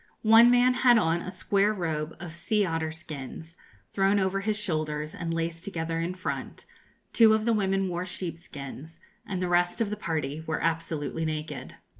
One man had on a square robe of sea otter skins, thrown over his shoulders, and laced together in front, two of the women wore sheepskins, and the rest of the party were absolutely naked.